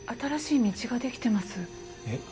えっ？